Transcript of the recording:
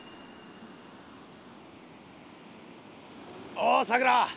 おうさくら！